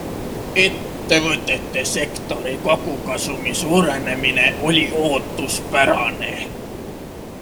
Ettevõtetesektori kogukasumi suurenemine oli ootuspärane.